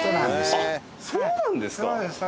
あっそうですか。